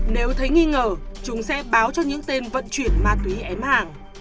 nếu thấy nghi ngờ chúng sẽ báo cho những tên vận chuyển ma túy ém hàng